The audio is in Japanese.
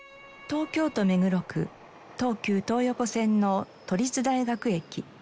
東京都目黒区東急東横線の都立大学駅。